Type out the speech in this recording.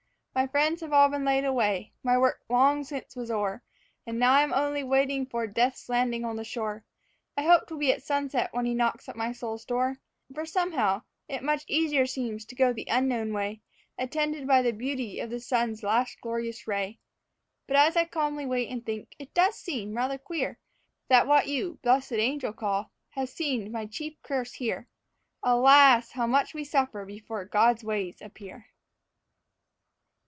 My friends have all been laid away, my work long since was o'er, And now I'm only waiting for Death's landing on the shore. I hope 'twill be at sunset when he knocks at my soul's door; For, somehow, it much easier seems to go the unknown way Attended by the beauty of the sun's last glorious ray. But as I calmly wait and think, it does seem rather queer That what you 'blessed angel' call has seemed my chief curse here. Alas! how much we suffer before God's ways appear."